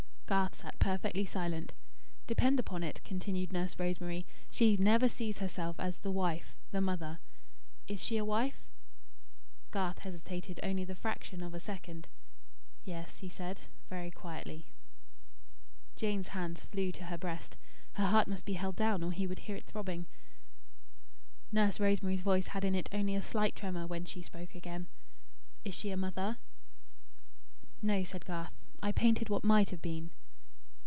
Garth sat perfectly silent. "Depend upon it," continued Nurse Rosemary, "she never sees herself as 'The Wife' 'The Mother.' Is she a wife?". Garth hesitated only the fraction of a second. "Yes," he said, very quietly. Jane's hands flew to her breast. Her heart must be held down, or he would hear it throbbing. Nurse Rosemary's voice had in it only a slight tremor, when she spoke again. "Is she a mother?" "No," said Garth. "I painted what might have been."